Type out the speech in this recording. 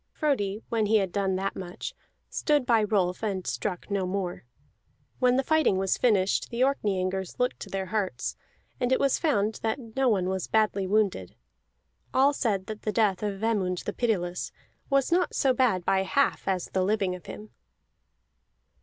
Frodi, when he had done that much, stood by Rolf and struck no more. When the fighting was finished the Orkneyingers looked to their hurts, and it was found that no one was badly wounded. All said that the death of Vemund the Pitiless was not so bad by half as the living of him.